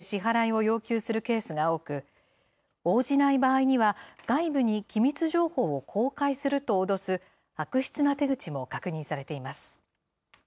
追跡が難しいビットコインなどで支払いを要求するケースが多く、応じない場合には、外部に機密情報を公開すると脅す悪質な手口も確認されています。